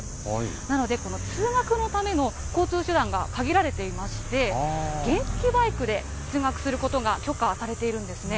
なので、通学のための交通手段が限られていまして、原付バイクで通学することが許可されているんですね。